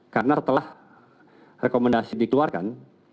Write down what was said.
karena setelah rekomendasi dikeluarkan